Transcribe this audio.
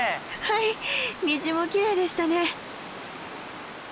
はい虹もきれいでしたね。